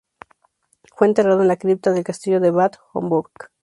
Fue enterrado en la cripta del Castillo de Bad Homburg.